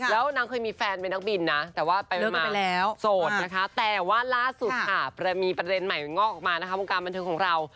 แล้วนางเคยมีแฟนเป็นนักบินนะแต่ว่าไปมาแล้วโสดนะคะแต่ว่าล่าสุดค่ะมีประเด็นใหม่งอกออกมานะคะวงการบันเทิงของเรา